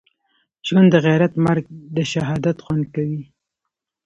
ژوند دغیرت مرګ دښهادت خوند کوی